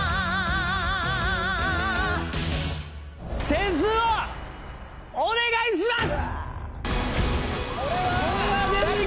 点数をお願いします。